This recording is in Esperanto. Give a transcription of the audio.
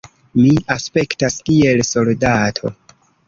Mi aspektas kiel soldato.